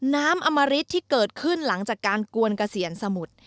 อมริตที่เกิดขึ้นหลังจากการกวนเกษียณสมุทร